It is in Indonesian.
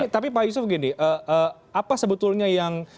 tapi pak yusuf gini apa sebetulnya yang